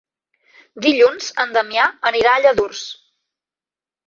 Dilluns en Damià anirà a Lladurs.